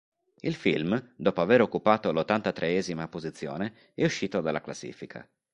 Il film dopo aver occupato l'ottantatreesima posizione, è uscito dalla classica.